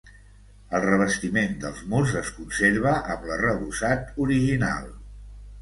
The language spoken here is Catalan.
El revestiment dels murs es conserva amb l'arrebossat original.